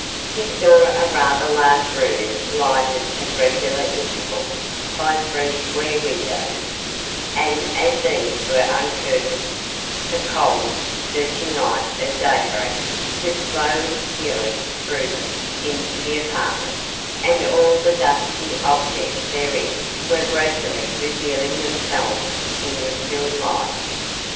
He saw a rather large room lighted at regular intervals by three square windows, and as these were uncurtained, the cold, searching light of daybreak was slowly stealing through them into the apartment, and all the dusky objects therein were gradually revealing themselves in the still light.